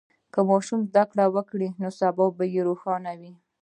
که ماشوم زده کړه وکړي، نو سبا به روښانه وي.